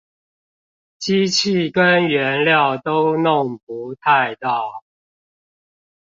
機器跟原料都弄不太到